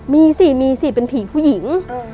มีสิมีสิเป็นผีผู้หญิง